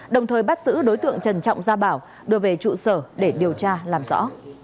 đồng thời bắt giữ đối tượng trần trọng gia bảo đưa về trụ sở để điều tra làm rõ